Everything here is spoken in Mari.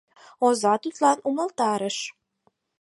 Оза тудлан умылтарыш: